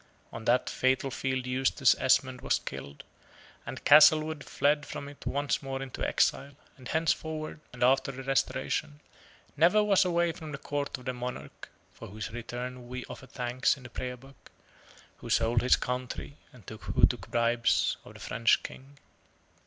On that fatal field Eustace Esmond was killed, and Castlewood fled from it once more into exile, and henceforward, and after the Restoration, never was away from the Court of the monarch (for whose return we offer thanks in the Prayer Book) who sold his country and who took bribes of the French king.